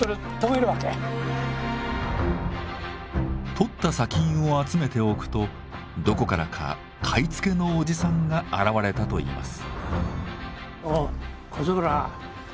採った砂金を集めておくとどこからか買い付けのおじさんが現れたといいます。